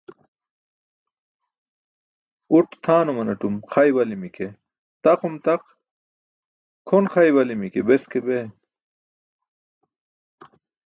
Uṭ tʰaanumatum xa iwali̇mi̇ ke taqum taq, kʰon xa iwali̇mi̇ ke beske bee.